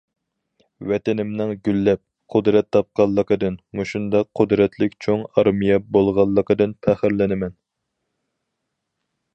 ۋەتىنىمنىڭ گۈللەپ، قۇدرەت تاپقانلىقىدىن، مۇشۇنداق قۇدرەتلىك چوڭ ئارمىيە بولغانلىقىدىن پەخىرلىنىمەن.